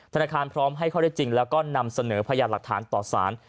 ธนาคารพร้อมให้ข้อได้จริงแล้วก็นำเสนอพยานหลักฐานต่อสาร